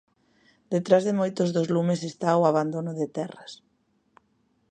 Detrás de moitos dos lumes está o abandono de terras.